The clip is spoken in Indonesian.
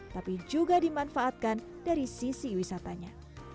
tapi juga dimanfaatkan dari sisi wisatanya